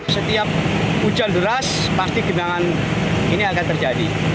setiap hujan deras pasti genangan ini akan terjadi